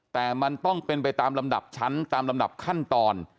แต่มันต้องเป็นไปตามลำดับชั้นตามลำดับขั้นตอน